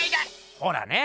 ほらね。